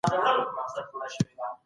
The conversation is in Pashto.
څه ډول د کور پاکوالی ذهن ته تازه ګي بخښي؟